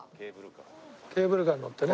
ケーブルカーに乗ってね。